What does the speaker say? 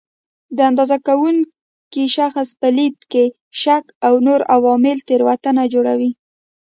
د اندازه کوونکي شخص په لید کې شک او نور عوامل تېروتنه جوړوي.